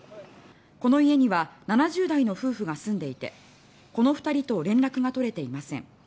この家には７０代の夫婦が住んでいてこの２人と連絡が取れていません。